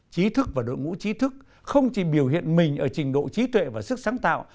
trí thức và đội ngũ trí thức không chỉ biểu hiện mình ở trình độ trí tuệ và sức sáng tạo